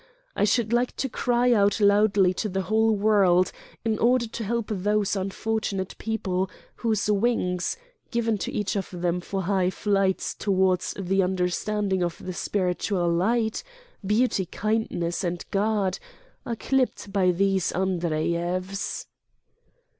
... I should like to cry out loudly to the whole world in order to help those unfortunate people whose wings, given to each of them for high flights to ward the understanding of the spiritual light, beauty, kindness, and God, are clipped by these Andreyevs."